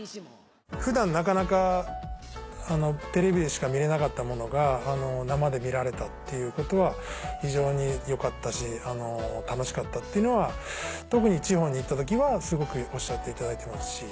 普段なかなかテレビでしか見れなかったものが生で見られたっていうことは非常に良かったし楽しかったっていうのは特に地方に行った時はすごくおっしゃっていただいてますし。